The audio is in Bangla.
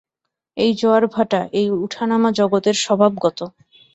এই জোয়ার-ভাঁটা, এই উঠা-নামা জগতের স্বভাবগত।